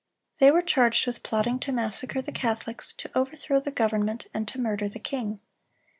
They were charged with plotting to massacre the Catholics, to overthrow the government, and to murder the king.